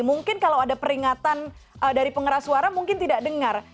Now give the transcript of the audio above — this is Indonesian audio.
mungkin kalau ada peringatan dari pengeras suara mungkin tidak dengar